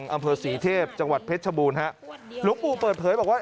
อำเภอศรีเทพจังหวัดเพชรชบูรณฮะหลวงปู่เปิดเผยบอกว่า